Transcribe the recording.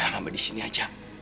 mama disini aja